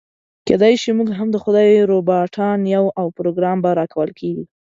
کيداشي موږ هم د خدای روباټان يو او پروګرام به راکول کېږي.